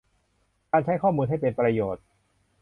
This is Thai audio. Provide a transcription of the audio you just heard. การใช้ข้อมูลให้เป็นประโยชน์